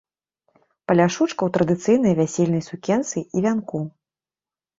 Паляшучка ў традыцыйнай вясельнай сукенцы і вянку.